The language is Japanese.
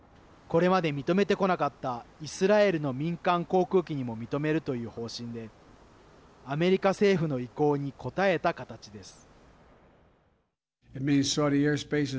これまで認めてこなかったイスラエルの民間航空機にも認めるという方針でアメリカ政府の意向に応えた形です。